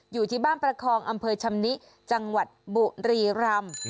อยู่ที่บ้านประคองอำเภอชำนิจังหวัดบุรีรำ